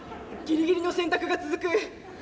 ギリギリの選択が続く。